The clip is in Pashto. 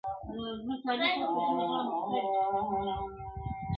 o د يوه پېچ کېدی، بل ويل څنگه ښه سره کونه ئې ده٫